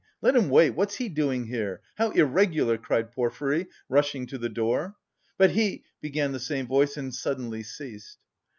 Let him wait! What's he doing here? How irregular!" cried Porfiry, rushing to the door. "But he..." began the same voice, and suddenly ceased.